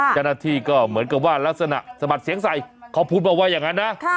เจ้าหน้าที่ก็เหมือนกับว่ารักษณะสะบัดเสียงใส่เขาพูดมาว่าอย่างนั้นนะ